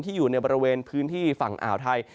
อยู่ในบริเวณพื้นที่ฝั่งอ่าวไทย